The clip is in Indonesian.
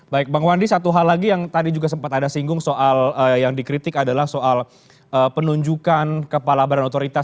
baik bang wandi satu hal lagi yang tadi juga sempat ada singgung soal yang di kritik adalah soal penunjukan kepala barang otoritas secara langsung